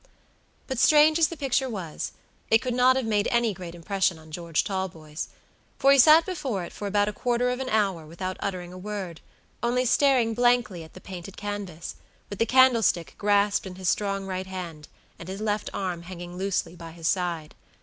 But strange as the picture was, it could not have made any great impression on George Talboys, for he sat before it for about a quarter of an hour without uttering a wordonly staring blankly at the painted canvas, with the candlestick grasped in his strong right hand, and his left arm hanging loosely by his side.